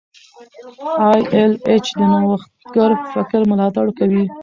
ای ایل ایچ د نوښتګر فکر ملاتړ کوي.